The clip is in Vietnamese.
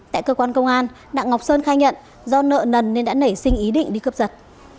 tại cơ quan công an đặng ngọc sơn khai nhận do nợ nần nên đã nảy sinh ý định đi cướp giật